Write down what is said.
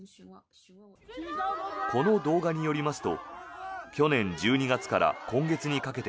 この動画によりますと去年１２月から今月にかけて